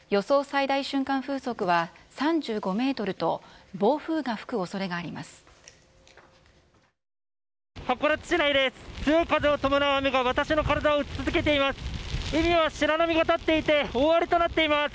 最大瞬間風速は３５メートルと、暴風が吹くおそれがあります。